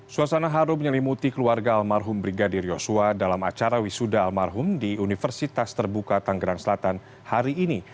suasana harum menyelimuti keluarga almarhum brigadir yosua dalam acara wisuda almarhum di universitas terbuka tanggerang selatan hari ini